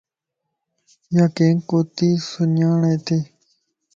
ياڪينک ڪوتي سڃاڻ ھتي